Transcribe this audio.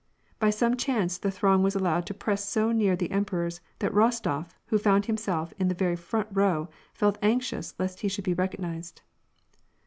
By some chance, the throng was allowed to press so near the emperors, that Rostof, who found himself in the very front row, felt anxious lest he should be recognized.